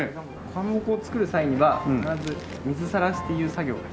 かまぼこを作る際には必ず水さらしという作業が必要で。